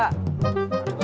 saya tau ya